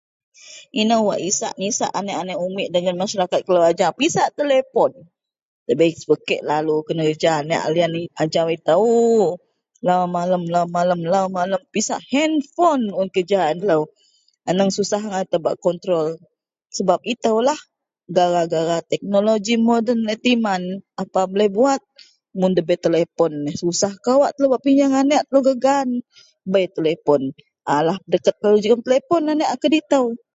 Inou wak isak nisak aneak-aneak umik dagen masarakat kelou ajau, pisak telepon. Ndabei wak kek lalu kenereja aneak-aneak liyan ajau itou. Lau malem-lau malem, lau malem pisak henpon un kereja a delou. Aneng susah angai tan bak konterol sebab itoulah gara-gara teknoloji moden laei timan. Apa boleh buwat mun ndabei telepon neh susah kawak telou bak pinyeang aneak telou gak gaan. Bei telepon alah pedeket lalu jegem telepon aneak keditou